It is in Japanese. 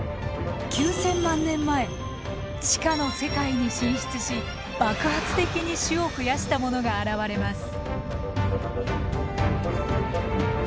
９，０００万年前地下の世界に進出し爆発的に種を増やしたものが現れます。